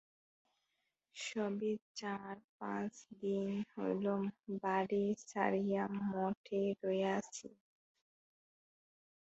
সবে চার-পাঁচ দিন হইল বাড়ী ছাড়িয়া মঠে রহিয়াছি।